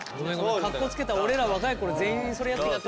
かっこつけた俺ら若い頃全員それやってきてさ。